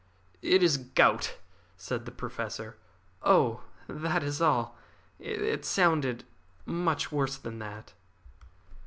"It is gout," said the Professor. "Oh, is that all? It sounded much worse than that."